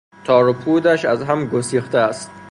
تارو پودش ازهم گسیخته است